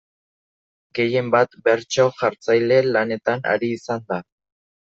Gehien bat bertso-jartzaile lanetan ari izan da.